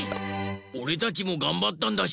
おれたちもがんばったんだし。